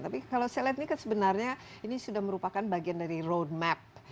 tapi kalau saya lihat ini kan sebenarnya ini sudah merupakan bagian dari road map